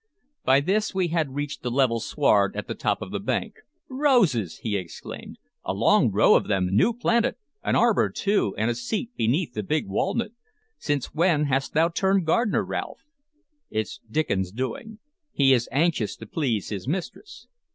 By this we had reached the level sward at the top of the bank. "Roses!" he exclaimed, "a long row of them new planted! An arbor, too, and a seat beneath the big walnut! Since when hast thou turned gardner, Ralph?" "It's Diccon's doing. He is anxious to please his mistress."